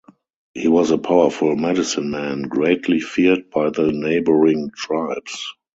He was a powerful medicine-man, greatly feared by the neighboring tribes.